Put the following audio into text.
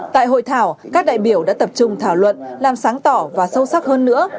tại hội thảo các đại biểu đã tập trung thảo luận làm sáng tỏ và sâu sắc hơn nữa